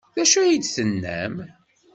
D acu ay d-tennam?